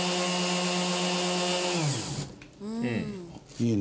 いいね。